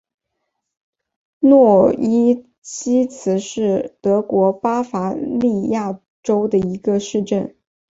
诺伊西茨是德国巴伐利亚州的一个市镇。